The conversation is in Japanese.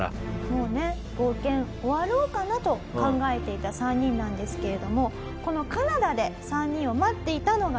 もうね冒険終わろうかなと考えていた３人なんですけれどもこのカナダで３人を待っていたのがですね。